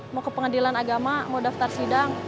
mau ke pengadilan agama mau daftar sidang